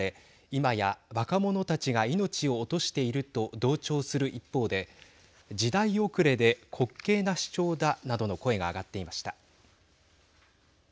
今や若者たちが命を落としていると同調する一方で時代遅れで滑稽な主張だなどの声が上がっていました。